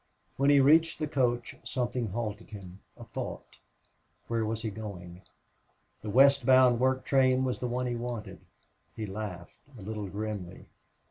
When he reached the coach something halted him a thought where was he going? The west bound work train was the one he wanted. He laughed, a little grimly.